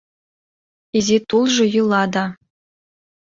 Изи тулжо йӱла да